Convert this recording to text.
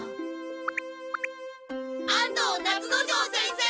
安藤夏之丞先生！